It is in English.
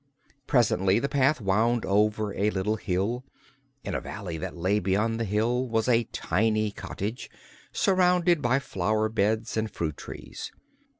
Presently the path wound over a little hill. In a valley that lay beyond the hill was a tiny cottage surrounded by flower beds and fruit trees.